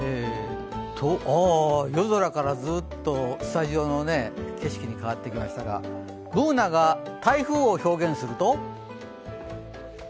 夜空から、ずっとスタジオの景色に変わっていきましたが、Ｂｏｏｎａが台風を表現すると？